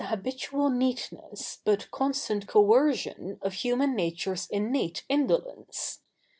] What is habitual neatness but constant coercion of human nature's innate indolence?